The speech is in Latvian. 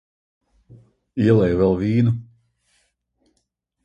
Ielej vēl vīnu.